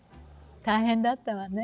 大変だったわね